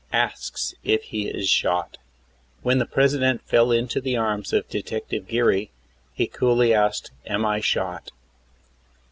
ASKS IF HE IS SHOT. When the President fell into the arms of Detective Geary he coolly asked: "Am I shot?"